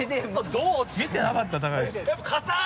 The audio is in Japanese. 見てなかった高岸。